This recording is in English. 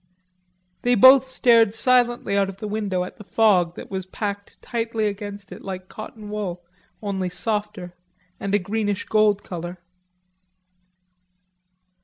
They both stared silently out of the window at the fog that was packed tightly against it like cotton wool, only softer, and a greenish gold color.